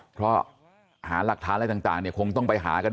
เพราะหารักฐานอะไรอันต่างคงต้องไปหากัน